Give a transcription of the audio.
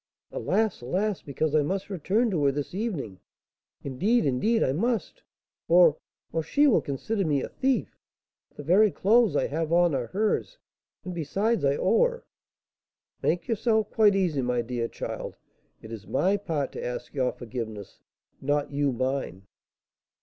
"Alas! alas! because I must return to her this evening; indeed, indeed, I must, or or she will consider me a thief. The very clothes I have on are hers, and, besides, I owe her " "Make yourself quite easy, my dear child; it is my part to ask your forgiveness, not you mine."